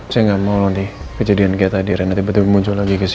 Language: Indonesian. saya nggak mau nanti kejadian kita tadi rena tiba tiba muncul lagi kesini